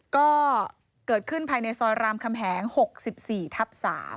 ก็เกิดขึ้นภายในซอยรามคำแหง๖๔ทับ๓